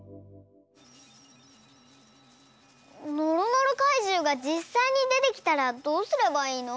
のろのろかいじゅうがじっさいにでてきたらどうすればいいの？